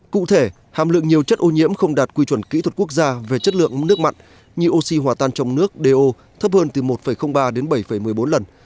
cụ thể hàm lượng nhiều chất ô nhiễm không đạt quy chuẩn kỹ thuật quốc gia về chất lượng nước mặn như oxy hòa tan trong nước do thấp hơn từ một ba đến bảy một mươi bốn lần